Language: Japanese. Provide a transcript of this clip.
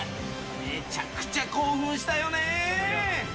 めちゃくちゃ興奮したよね。